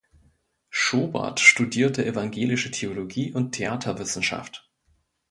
Schobert studierte Evangelische Theologie und Theaterwissenschaft.